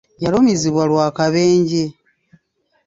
Yalumizibwa lw'akabenje.